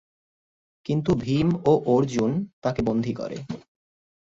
কিন্তু ভীম ও অর্জুন তাকে বন্দী করে।